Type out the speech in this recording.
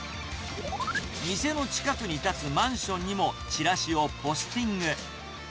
店の近くに建つマンションにもチラシをポスティング。